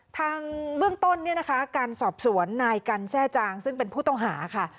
ทางเบื้องต้นเนี่ยนะคะการสอบสวนนายกันแทร่จางซึ่งเป็นผู้ต้องหาค่ะ